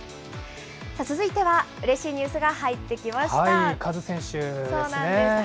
続いてはうれしいニュースが入っカズ選手ですね。